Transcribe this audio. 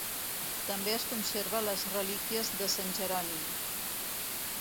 També es conserva les relíquies de Sant Jerònim.